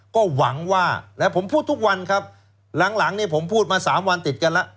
ก็หวังว่าผมพูดทุกวันครับหลังเนี่ยผมพูดมา๓วันติดกันแล้ว